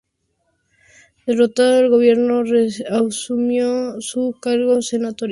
Derrotado el gobierno reasumió su cargo senatorial.